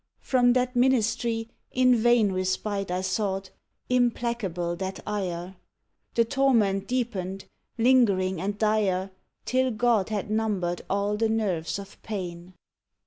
From that ministry in vain Respite I sought: implacable that ire: The torment deepened, lingering and dire, Till God had numbered all the nerves of pain.